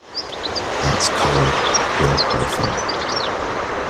That cold, pure profile.